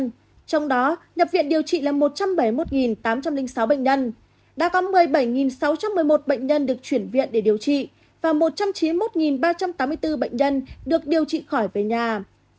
trong đó nhập viện điều trị là một trăm bảy mươi một tám trăm linh sáu bệnh nhân đã có một mươi bảy sáu trăm một mươi một bệnh nhân được chuyển viện để điều trị và một trăm chín mươi một ba trăm tám mươi bốn bệnh nhân được điều trị khỏi về nhà